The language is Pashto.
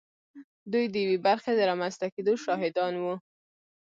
دوی د یوې برخې د رامنځته کېدو شاهدان وو